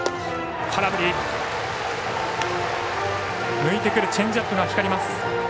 抜いてくるチェンジアップが光ります。